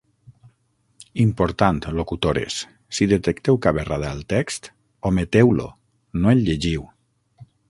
Important, locutores: si detecteu cap errada al text, ometeu-lo, no el llegiu!